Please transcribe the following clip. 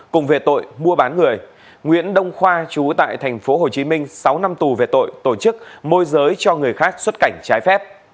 cùng về tội mua bán người nguyễn đông khoa chú tại tp hcm sáu năm tù về tội tổ chức môi giới cho người khác xuất cảnh trái phép